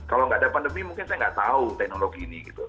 kalau nggak ada pandemi mungkin saya nggak tahu teknologi ini gitu